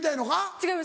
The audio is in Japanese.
違います